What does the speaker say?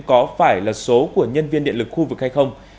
có phải là số của nhân viên điện lực khu vực hay không